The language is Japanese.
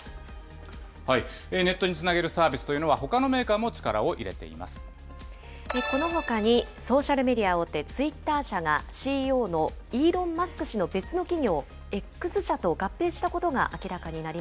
ネットにつなげるサービスというのは、ほかのメーカーも力をこのほかに、ソーシャルメディア大手、ツイッター社が、ＣＥＯのイーロン・マスク氏の別の企業、Ｘ社と合併したことが明